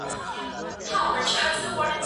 زه هره ورځ مېوې راټولوم؟